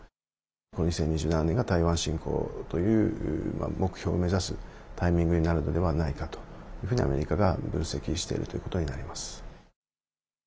この２０２７年が台湾侵攻という目標を目指すタイミングになるのではないかというふうにアメリカが分析しているということになります。